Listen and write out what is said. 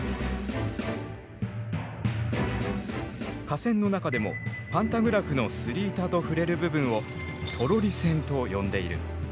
架線の中でもパンタグラフのすり板と触れる部分を「トロリ線」と呼んでいる。